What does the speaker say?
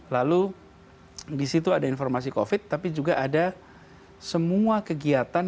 lalu di situ ada informasi covid tapi juga ada semua kegiatan